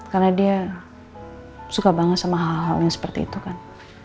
karena dia suka banget sama hal hal yang seperti itu kan